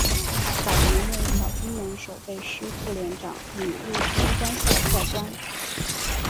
早年任小金门守备师副连长与陆军官校教官。